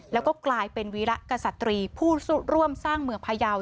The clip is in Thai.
แล้วก็กลายเป็นวีระกษัตรีผู้ร่วมสร้างเมืองพยาว